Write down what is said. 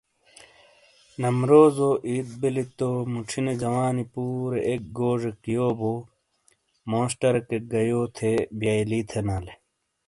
نمروزو عید بلی تو موچھِینے جوانی پورے اک گوزیک یو بو موس ٹرکیک گہ یو تھے بیئلی تھینالے۔